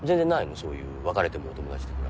そういう別れてもお友達的な。